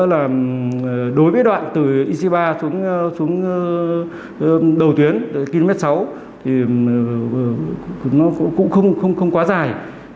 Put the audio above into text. nên là đối với đoạn từ ic ba xuống đầu tuyến km sáu thì nó cũng không quá dài